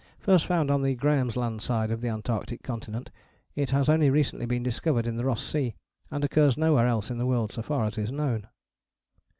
First found on the Graham's Land side of the Antarctic continent, it has only recently been discovered in the Ross Sea, and occurs nowhere else in the world so far as is known.